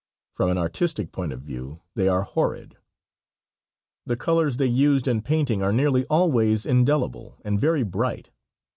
From an artistic point of view they are horrid. The colors they used in painting are nearly always indelible and very bright.